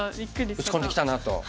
打ち込んできたなと。